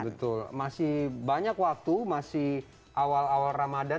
betul masih banyak waktu masih awal awal ramadan